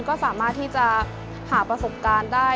ก็สามารถที่จะหาประสบการณ์ได้